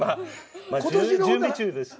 準備中です。